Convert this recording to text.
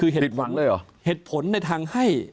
เหตุผลในทางให้